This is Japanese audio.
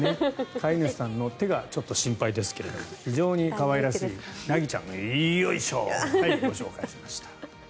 飼い主さんの手がちょっと心配ですけど非常に可愛らしい凪ちゃんのよいしょ！をご紹介しました。